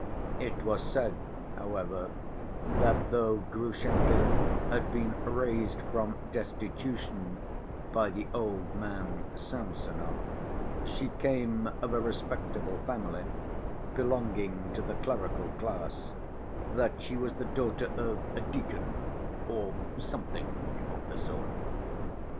It was said, however, that though Grushenka had been raised from destitution by the old man, Samsonov, she came of a respectable family belonging to the clerical class, that she was the daughter of a deacon or something of the sort.